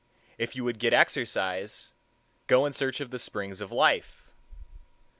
If you would get exercise, go in search of the springs of life.